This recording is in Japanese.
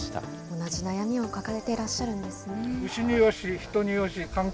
同じ悩みを抱えていらっしゃるんですね。